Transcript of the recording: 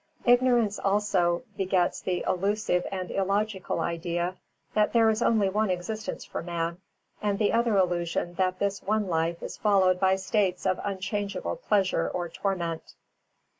Ignorance also begets the illusive and illogical idea that there is only one existence for man, and the other illusion that this one life is followed by states of unchangeable pleasure or torment.